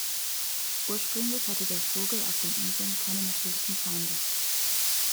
Ursprünglich hatte der Vogel auf den Inseln keine natürlichen Feinde.